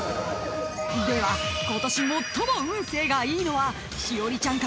［ではことし最も運勢がいいのは栞里ちゃんか？